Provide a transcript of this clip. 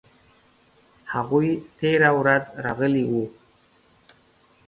هغوی تیره ورځ راغلي وو